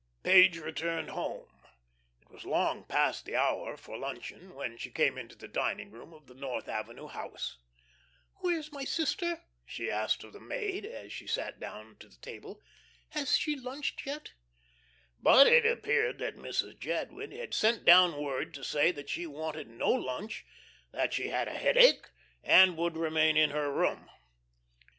Page returned home. It was long past the hour for luncheon when she came into the dining room of the North Avenue house. "Where is my sister?" she asked of the maid, as she sat down to the table; "has she lunched yet?" But it appeared that Mrs. Jadwin had sent down word to say that she wanted no lunch, that she had a headache and would remain in her room.